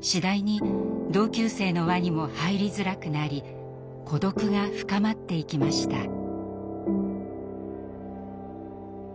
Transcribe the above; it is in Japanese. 次第に同級生の輪にも入りづらくなり孤独が深まっていきました。